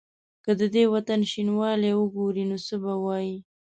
که د دې وطن شینوالی وګوري نو څه به وايي؟